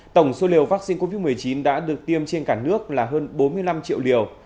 tổng số liều vaccine covid một mươi chín đã được tiêm trên cả nước là hơn bốn mươi năm triệu liều